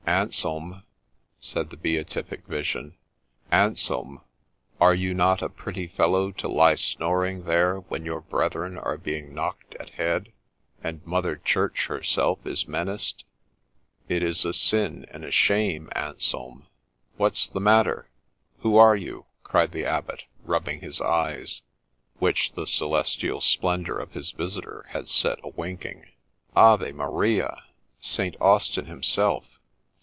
' Anselm !' said the beatific vision, —' Anselm ! are you not a pretty fellow to lie snoring there when your brethren are being knocked at head, and Mother Church herself is menaced ?— It is a sin and a shame, Anselm !'' What 's the matter ?— Who are you ?'' cried the Abbot, rubbing his eyes, which the celestial splendour of his visitor had set a winking. ' Ave Maria! St. Austin himself!